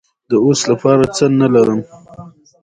فیوډالان مجبوریدل چې په دوی ساتونکي ودروي.